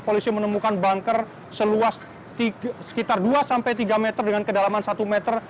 polisi menemukan banker seluas sekitar dua sampai tiga meter dengan kedalaman satu meter